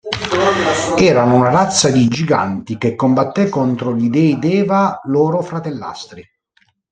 Erano una razza di giganti che combatté contro gli dèi Deva loro fratellastri.